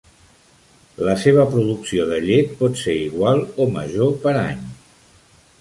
La seva producció de llet pot ser igual o major per any.